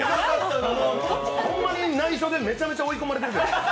ほんまに内緒でめちゃめちゃ追い込まれてるんです。